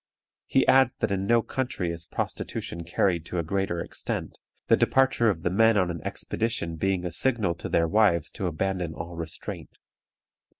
He adds that in no country is prostitution carried to a greater extent, the departure of the men on an expedition being a signal to their wives to abandon all restraint.